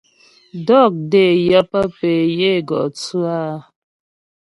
Dɔkɔ́́ dé yə pə pé yə́ é gɔ tsʉ áa.